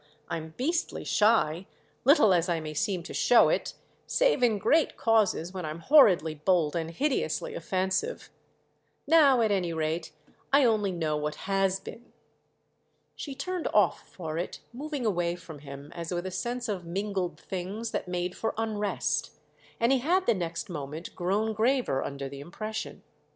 I'm beastly shy—little as I may seem to show it: save in great causes, when I'm horridly bold and hideously offensive. Now at any rate I only know what has been." She turned off for it, moving away from him as with a sense of mingled things that made for unrest; and he had the next moment grown graver under the impression.